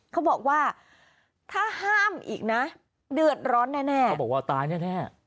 เขาบอกว่าถ้าห้ามอีกนะเดือดร้อนแน่